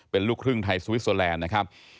เป็นลูกครึ่งไทยสวิสเตอร์แลนด์นะครับ